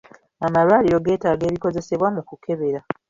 Amalwaliro getaaga ebikozesebwa mu kukebera.